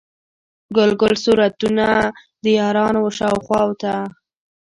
ګل ګل صورتونه، د یارانو و خواو شاته